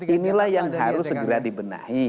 inilah yang harus segera dibenahi